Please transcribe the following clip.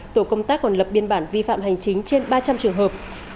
tổ công tác còn lập biên bản vi phạm hành chính trên ba trăm linh trường hợp